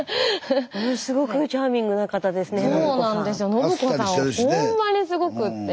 信子さんほんまにすごくって。